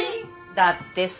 だってさ。